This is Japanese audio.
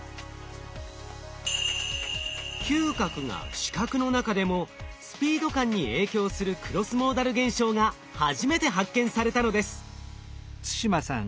嗅覚が視覚の中でもスピード感に影響するクロスモーダル現象が初めて発見されたのです。